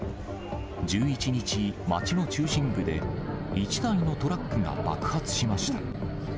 １１日、街の中心部で、１台のトラックが爆発しました。